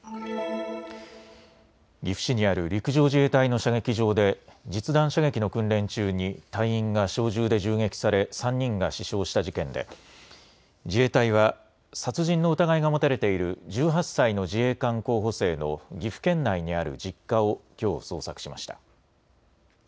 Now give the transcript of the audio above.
岐阜市にある陸上自衛隊の射撃場で実弾射撃の訓練中に隊員が小銃で銃撃され３人が死傷した事件で自衛隊は殺人の疑いが持たれている１８歳の自衛官候補生の岐阜県内にある実家をきょう捜索しました。